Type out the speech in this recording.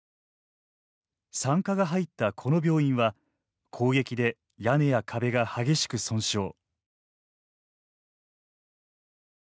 産科が入ったこの病院は攻撃で屋根や壁が激しく損傷。